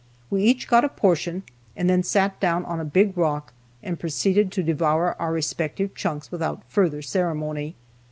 We each got a portion, and then sat down on a big rock, and proceeded to devour our respective chunks without further ceremony.